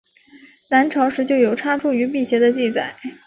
南朝时就有插茱萸辟邪的记载。